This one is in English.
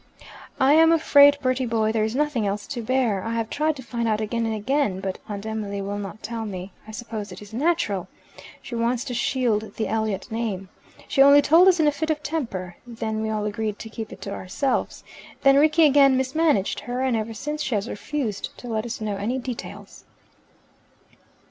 "I am afraid, Bertie boy, there is nothing else to bear, I have tried to find out again and again, but Aunt Emily will not tell me. I suppose it is natural. She wants to shield the Elliot name. She only told us in a fit of temper; then we all agreed to keep it to ourselves; then Rickie again mismanaged her, and ever since she has refused to let us know any details."